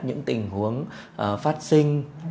những tình huống phát sinh